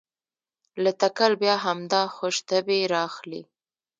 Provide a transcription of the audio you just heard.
له تکل بیا همدا خوش طبعي رااخلي.